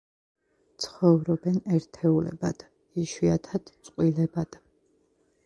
ცხოვრობენ ერთეულებად, იშვიათად წყვილებად.